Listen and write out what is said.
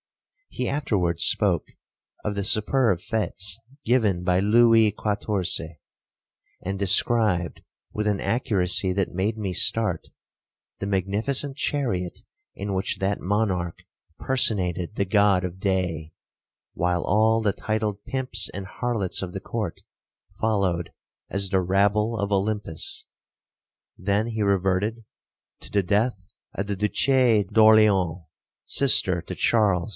He afterwards spoke of the superb fetes given by Louis Quatorze, and described, with an accuracy that made me start, the magnificent chariot in which that monarch personated the god of day, while all the titled pimps and harlots of the court followed as the rabble of Olympus. Then he reverted to the death of the Duchesse d'Orleans, sister to Charles II.